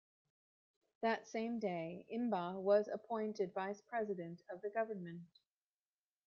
That same day, M'ba was appointed vice president of the government.